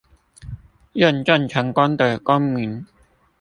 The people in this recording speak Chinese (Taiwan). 認證成功的公民